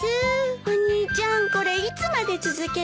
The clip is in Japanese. お兄ちゃんこれいつまで続ける気？